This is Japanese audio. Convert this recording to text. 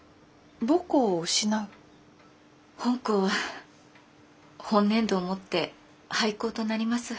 本校は本年度をもって廃校となります。